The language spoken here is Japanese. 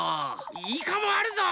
イカもあるぞ！